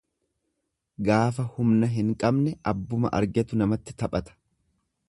Gaafa humna hin qabne abbuma argetu namatti taphata.